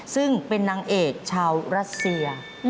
ซึ่งเป็นนางเอกชาวรัสเซีย